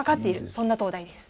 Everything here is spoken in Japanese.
そんな灯台です。